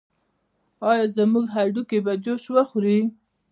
ایا زما هډوکي به جوش وخوري؟